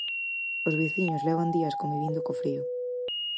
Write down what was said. Os veciños levan días convivindo co frío.